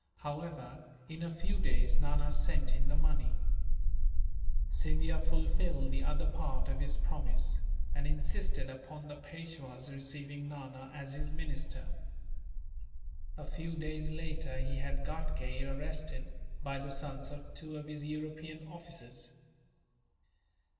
However, in a few days Nana sent in the money. Scindia fulfilled the other part of his promise, and insisted upon the Peishwa's receiving Nana as his minister. A few days later he had Ghatgay arrested, by the sons of two of his European officers.